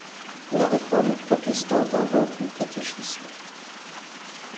La Réforme protestante invente le catéchisme.